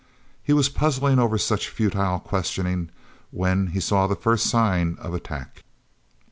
He was puzzling over such futile questioning when he saw the first sign of attack.